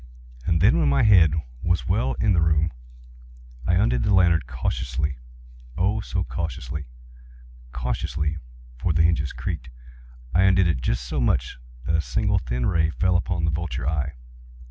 And then, when my head was well in the room, I undid the lantern cautiously—oh, so cautiously—cautiously (for the hinges creaked)—I undid it just so much that a single thin ray fell upon the vulture eye.